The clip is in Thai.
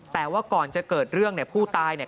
แต่ว่าก่อนจะเกิดเรื่องเนี่ยผู้ตายเนี่ย